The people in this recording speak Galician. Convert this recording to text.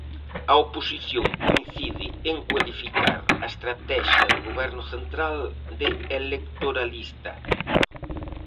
A oposición coincide en cualificar a estratexia do Goberno central de electoralista.